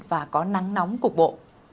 và có nắng nóng cục bộ